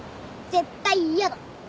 絶対やだ。